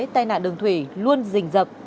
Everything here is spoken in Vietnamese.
tai nạn đường thủy luôn dình dập